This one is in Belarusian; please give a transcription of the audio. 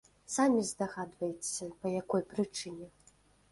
Самі здагадваецеся, па якой прычыне!!!